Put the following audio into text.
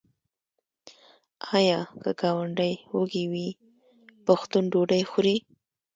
آیا که ګاونډی وږی وي پښتون ډوډۍ خوري؟